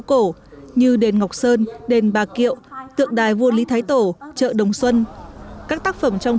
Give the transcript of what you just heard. cổ như đền ngọc sơn đền bà kiệu tượng đài vua lý thái tổ chợ đồng xuân các tác phẩm trong